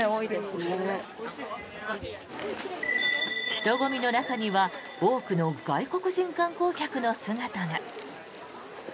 人混みの中には多くの外国人観光客の姿が。